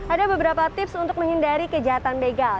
ada beberapa tips untuk menghindari kejahatan begal